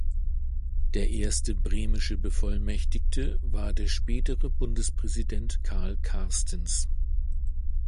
Der erste bremische Bevollmächtigte war der spätere Bundespräsident Karl Carstens.